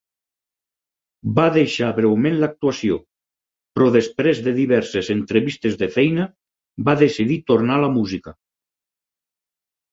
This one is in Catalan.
Va deixar breument l'actuació, però després de diverses entrevistes de feina va decidir tornar a la música.